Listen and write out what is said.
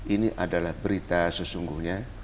ini adalah berita sesungguhnya